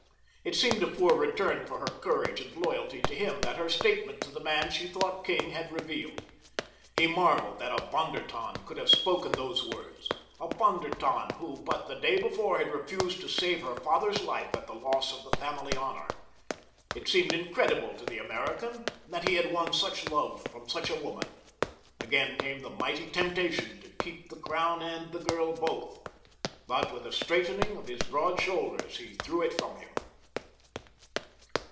It seemed a poor return for her courage and loyalty to him that her statement to the man she thought king had revealed. He marveled that a Von der Tann could have spoken those words—a Von der Tann who but the day before had refused to save her father's life at the loss of the family honor. It seemed incredible to the American that he had won such love from such a woman. Again came the mighty temptation to keep the crown and the girl both; but with a straightening of his broad shoulders he threw it from him.